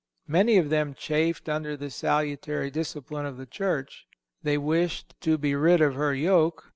Many of them chafed under the salutary discipline of the Church. They wished to be rid of her yoke.